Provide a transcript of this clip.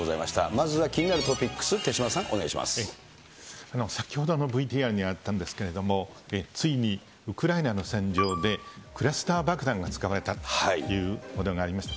まずは気になるトピックス、先ほど、ＶＴＲにあったんですけれども、ついにウクライナの戦場でクラスター爆弾が使われたっていう報道がありました。